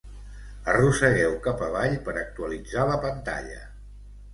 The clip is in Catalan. Arrossegueu cap avall per actualitzar la pantalla.